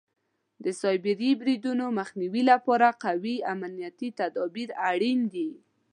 د سایبري بریدونو مخنیوي لپاره قوي امنیتي تدابیر اړین دي.